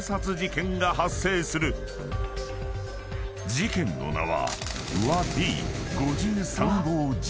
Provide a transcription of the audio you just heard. ［事件の名は］